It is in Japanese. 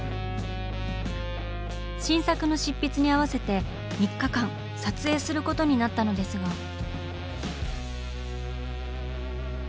新作の執筆に合わせて３日間撮影することになったのですが。